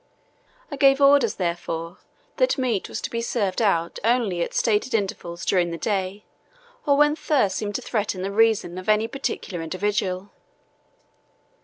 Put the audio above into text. I gave orders, therefore, that meat was to be served out only at stated intervals during the day or when thirst seemed to threaten the reason of any particular individual.